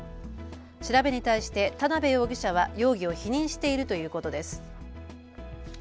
調べに対して田辺容疑者は容疑を否認しているということです。